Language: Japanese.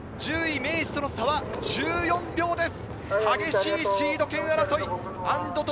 １０位、明治との差は１４秒です。